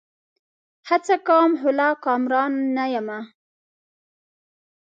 هڅه کوم؛ خو لا کامران نه یمه